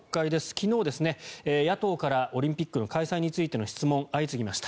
昨日、野党からオリンピックの開催についての質問が相次ぎました。